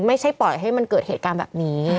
ไม่ใช่ปล่อยให้มันเกิดเหตุการณ์แบบนี้